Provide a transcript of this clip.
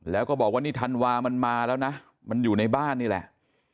แล้วก็บอกว่านี่ธันวามันมาแล้วนะมันอยู่ในบ้านนี่แหละ